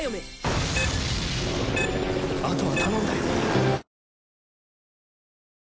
あとは頼んだよ。